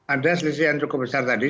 ada selisih yang cukup besar tadi